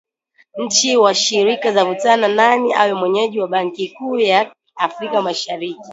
Nchi washiriki zavutana nani awe mwenyeji wa benki kuu ya Afrika Mashariki